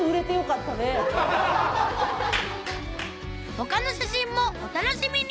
他の写真もお楽しみに！